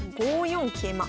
５四桂馬。